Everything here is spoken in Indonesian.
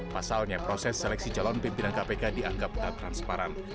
pasalnya proses seleksi calon pimpinan kpk dianggap tak transparan